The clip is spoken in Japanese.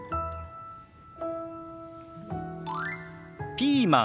「ピーマン」。